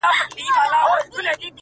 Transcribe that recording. د خدای نور ته په سجده خريلی مخ دی،